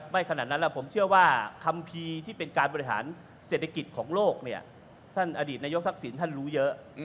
ไม่ขนาดนั้นผมเชื่อว่าคำพีที่เป็นการบริหารเศรษฐกิจของโลกท่านอดีตนายกทักษิณรู้เยอะ